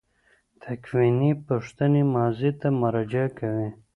تکویني پوښتنې ماضي ته مراجعه کوي.